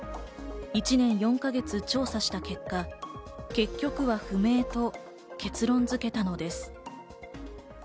１年４か月調査した結果、結局は不明と結論付けたのです。